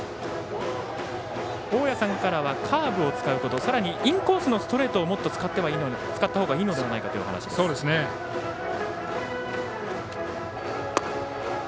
大矢さんからはカーブを使うことさらにインコースのストレートをもっと使ったほうがいいのではないかというお話です。